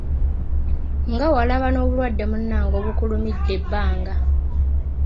Nga walaba n'obulwadde munnange obukulumidde ebbanga.